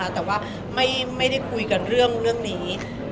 แต่ว่าไม่ได้คุยกันเรื่องนี้